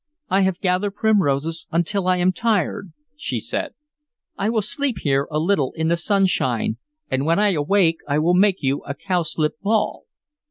"I have gathered primroses until I am tired," she said. "I will sleep here a little in the sunshine, and when I awake I will make you a cowslip ball."